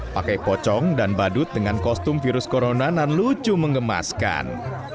pakai pocong dan badut dengan kostum virus corona dan lucu mengemaskan